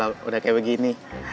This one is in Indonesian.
kalo udah kayak begini